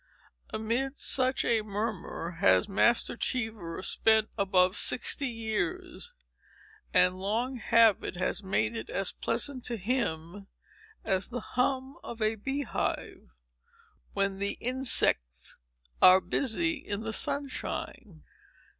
Amid just such a murmur has Master Cheever spent above sixty years: and long habit has made it as pleasant to him as the hum of a bee hive, when the insects are busy in the sunshine.